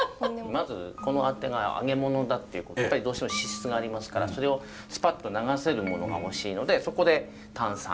まずこのあてが揚げ物だっていうことでどうしても脂質がありますからそれをスパッと流せるものが欲しいのでそこで炭酸。